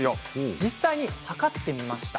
実際に測ってみました。